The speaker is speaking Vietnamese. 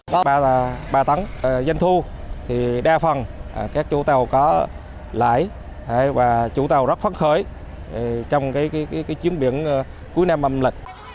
có ba tấn dân thu đa phần các chủ tàu có lãi và chủ tàu rất phát khởi trong chiến biển cuối năm âm lịch